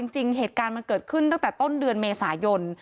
จริงเหตุการณ์มันเกิดขึ้นตั้งแต่ต้นเดือนเมษายน